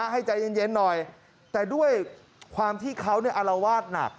ให้ใจเย็นหน่อยแต่ด้วยความที่เขาอารวาสหนัก